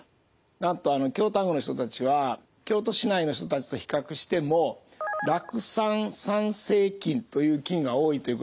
なんと京丹後の人たちは京都市内の人たちと比較しても酪酸産生菌という菌が多いということに気付いたんですね。